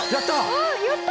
やった！